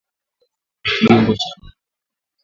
Kiungo changu.